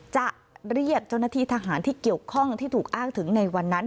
จะเรียกเจ้าหน้าที่ทหารที่เกี่ยวข้องที่ถูกอ้างถึงในวันนั้น